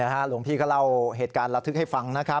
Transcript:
หลวงพี่ก็เล่าเหตุการณ์ระทึกให้ฟัง